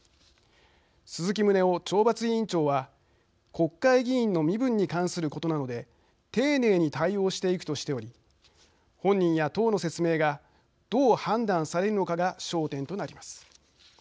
鈴木宗男懲罰委員長は国会議員の身分に関することなので丁寧に対応していくとしており本人や党の説明がどう判断されるのかが焦点となります。